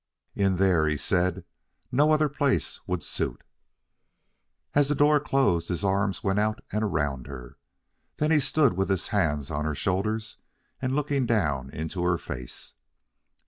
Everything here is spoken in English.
"In there," he said. "No other place would suit." As the door closed, his arms went out and around her. Then he stood with his hands on her shoulders and looking down into her face.